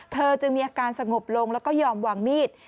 เธอจึงมีอาการสงบลงแล้วก็ยอมวางมีด